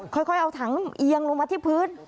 ค่อยเอาถังเอียงลงมาที่พื้น